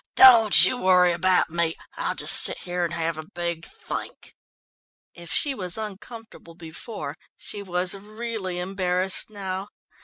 "Don't you worry about me. I'll just sit here and have a big think." If she was uncomfortable before, she was really embarrassed now.